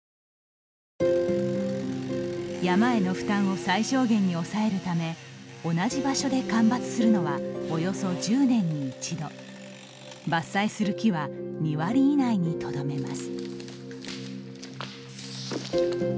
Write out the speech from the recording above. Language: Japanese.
山への負担を最小限に抑えるため同じ場所で間伐するのはおよそ１０年に１度伐採する木は２割以内にとどめます。